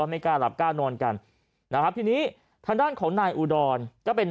ไม่กล้าหลับกล้านอนกันนะครับทีนี้ทางด้านของนายอุดรก็เป็น